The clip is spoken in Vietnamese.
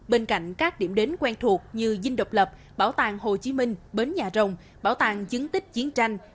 bên cạnh các điểm đến quen thuộc như dinh độc lập bảo tàng hồ chí minh bến nhà rồng bảo tàng chứng tích chiến tranh